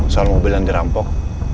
soal mobil yang dirampok